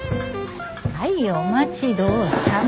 はいお待ち遠さまです。